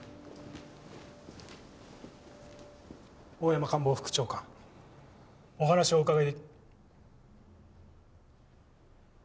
大山官房副長官お話をお伺い。